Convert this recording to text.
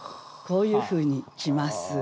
こういうふうに来ます。